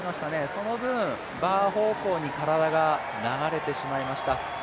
その分、バー方向に体が流れてしまいました。